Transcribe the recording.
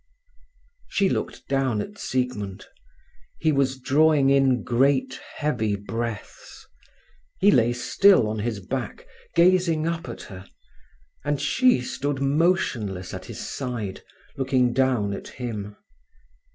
She looked down at Siegmund. He was drawing in great heavy breaths. He lay still on his back, gazing up at her, and she stood motionless at his side, looking down at him.